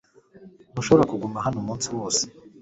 Ntushobora kuguma hano umunsi wose .